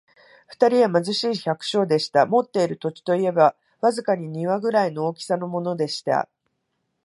二人は貧しい百姓でした。持っている土地といえば、わずかに庭ぐらいの大きさのものでした。